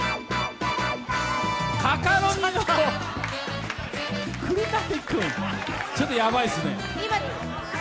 カカロニの栗谷君、ちょっとヤバいっすね。